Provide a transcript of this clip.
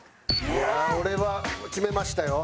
俺は決めましたよ。